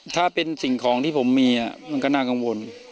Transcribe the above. ถ้าเป็นสิ่งของที่ผมมีมันก็น่ากังวล